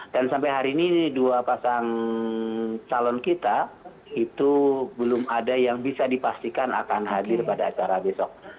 dan sampai hari ini dua pasang calon kita itu belum ada yang bisa dipastikan akan hadir pada acara besok